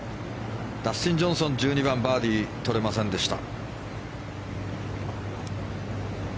ダスティン・ジョンソン１２番バーディー取れませんでした。